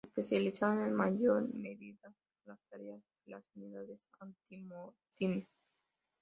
Se especializan en mayor medidas a las tareas de las unidades antimotines.